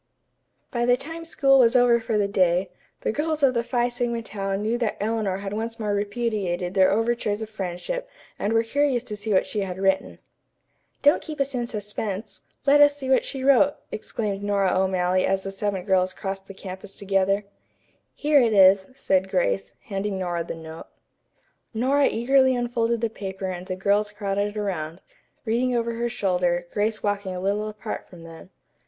By the time school was over for the day, the girls of the Phi Sigma Tau knew that Eleanor had once more repudiated their overtures of friendship and were curious to see what she had written. "Don't keep us in suspense. Let us see what she wrote," exclaimed Nora O'Malley as the seven girls crossed the campus together. "Here it is," said Grace, handing Nora the note. Nora eagerly unfolded the paper and the girls crowded around, reading over her shoulder, Grace walking a little apart from them.